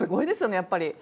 やっぱり。